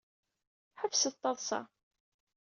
Ḥebset taḍṣa.